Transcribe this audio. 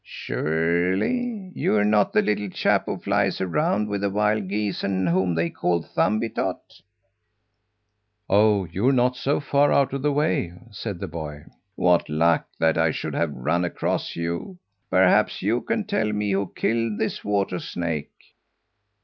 "Surely, you're not the little chap who flies around with the wild geese, and whom they call Thumbietot?" "Oh, you're not so far out of the way," said the boy. "What luck that I should have run across you! Perhaps you can tell me who killed this water snake?"